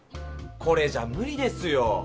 これじゃむりですよ。